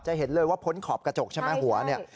เห็นเลยว่าพ้นขอบกระจกใช่ไหมหัวเนี่ย